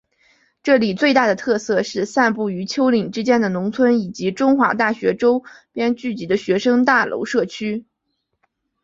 该里最大的特色是散布于丘陵之间的农村以及中华大学周边聚集的学生大楼社区。